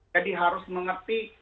jadi harus mengerti